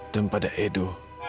dan pada edo